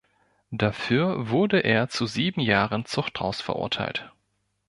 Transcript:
Dafür wurde er zu sieben Jahren Zuchthaus verurteilt.